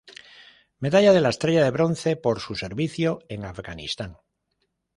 Medalla de la Estrella de Bronce por su servicio en Afganistán.